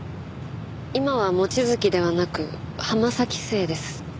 今は望月ではなく浜崎姓です。